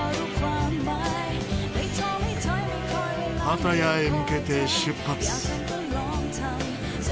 パタヤへ向けて出発。